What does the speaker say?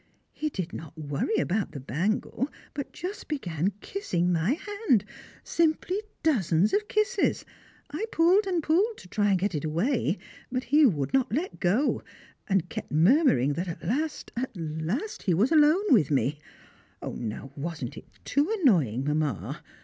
He did not worry about the bangle, but just began kissing my hand; simply dozens of kisses. I pulled and pulled to try and get it away, but he would not let go, and kept murmuring that at last, at last, he was alone with me! Now wasn't it too annoying, Mamma?